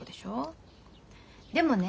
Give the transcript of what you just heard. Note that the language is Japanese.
でもね